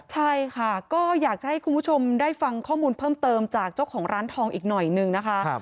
ใช่ค่ะก็อยากจะให้คุณผู้ชมได้ฟังข้อมูลเพิ่มเติมจากเจ้าของร้านทองอีกหน่อยนึงนะคะ